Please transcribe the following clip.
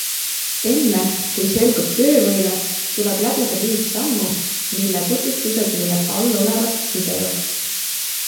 Enne, kui selgub töövõime, tuleb läbida viis sammu, mille tutvustused leiad allolevast videost.